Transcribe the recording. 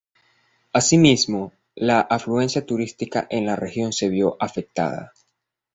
Así mismo, la afluencia turística en la región se vio afectada.